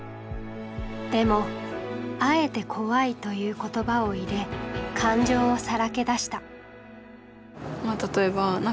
でもあえて「怖い」という言葉を入れ感情をさらけ出した。